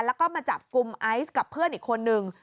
แล้วก็มาจับกลุ่มไอซ์กับเพื่อนอีกคนนึง